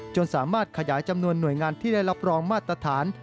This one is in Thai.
สามารถขยายจำนวนหน่วยงานที่ได้รับรองมาตรฐาน